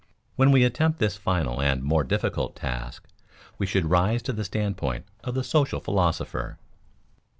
When we attempt this final and more difficult task, we should rise to the standpoint of the social philosopher.